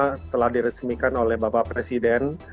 yang telah diresmikan oleh bapak presiden